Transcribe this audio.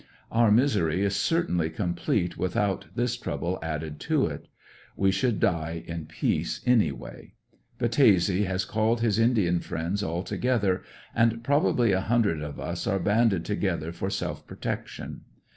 Our misery is certainly complete without this trouble added to it. We should die in peace anyway. Battese has called his Indian friends all to gether, and probably a hundred of us are banded together for self protection.